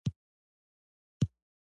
چې څنګه له یوې څانګې ګل راوځي.